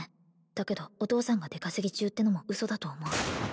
だけどお父さんが出稼ぎ中ってのも嘘だと思う